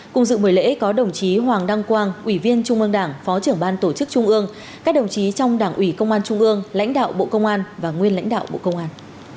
cùng dự buổi lễ có đồng chí hoàng đăng quang ủy viên trung ương đảng phó trưởng ban tổ chức trung ương các đồng chí trong đảng ủy công an trung ương lãnh đạo bộ công an và nguyên lãnh đạo bộ công an